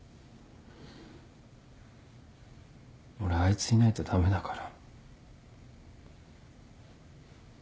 俺あいついないと駄目だから。